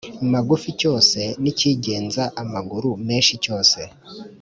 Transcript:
Magufi cyose n ikigenza amaguru menshi cyose